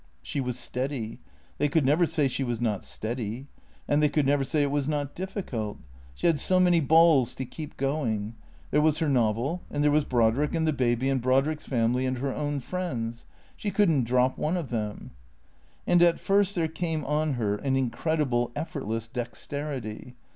She was steady; they could never say she was not steady. And they could never say it was not difficult. She had so many balls to keep going. There was her novel ; and there was Brod rick, and the baby, and Brodrick's family, and her own friends. She could n't drop one of them. And at first there came on her an incredible, effortless dex terity.